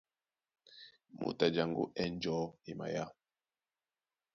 Moto a jaŋgó á ɛ̂n njɔ̌ e maya.